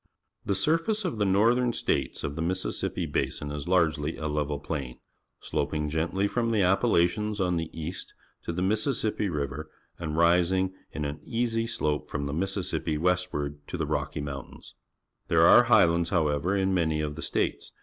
^^ The surface of the Northern States of the Mississippi Basin is largely a level plain, sloping gentlj^ from the Appalachians on the east to the Mississippi River and rising in an easy slope from the Mississippi westward to the Rocky IVIountains. There are highlands, however, in many of the states.